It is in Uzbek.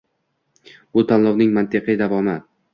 Bu tanlovning mantiqiy davomi.